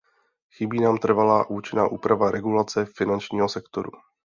Chybí nám trvalá a účinná úprava regulace finančního sektoru.